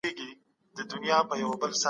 تودې اوبه بدن پاکوي